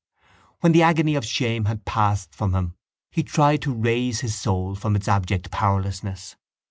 When the agony of shame had passed from him he tried to raise his soul from its abject powerlessness.